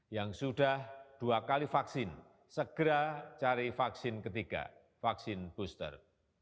yang sudah dua kali vaksin segera cari vaksin ketiga vaksin booster